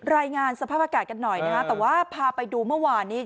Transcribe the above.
รายงานสภาพอากาศกันหน่อยนะคะแต่ว่าพาไปดูเมื่อวานนี้